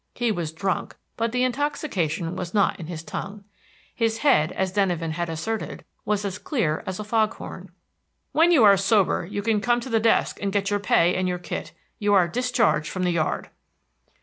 He was drunk, but the intoxication was not in his tongue. His head, as Denyven had asserted, was as clear as a fog horn. "When you are sober, you can come to the desk and get your pay and your kit. You are discharged from the yard."